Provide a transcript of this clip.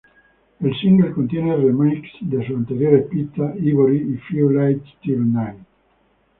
El single contiene remixes de sus anteriores pistas: Ivory y Few Lights Till Night.